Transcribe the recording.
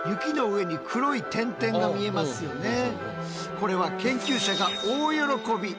これは研究者が大喜び！